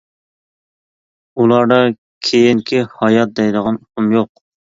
ئۇلاردا «كېيىنكى ھايات» دەيدىغان ئۇقۇم يوق.